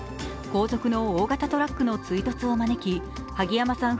後続の大型トラックの追突を招き萩山さん